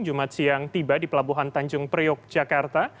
jumat siang tiba di pelabuhan tanjung priok jakarta